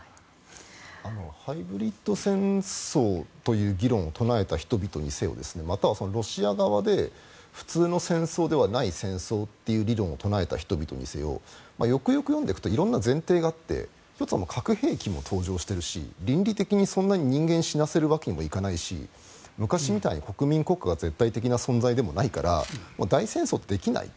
ハイブリッド戦争という議論を唱えた人々にせよまたはロシア側で普通の戦争ではない戦争という理論を唱えた人々にせよよくよく読んでいくと色々な前提があって核兵器も登場しているし倫理的にそんなに人間を死なせるわけにもいかないし昔みたいに国民国家が絶対的な存在でもないから大戦争、できないと。